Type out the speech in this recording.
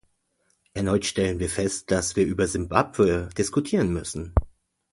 Erneut stellen wir fest, dass wir über Simbabwe diskutieren müssen.